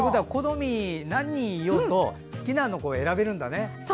何人いようと好きなの選べるんだね。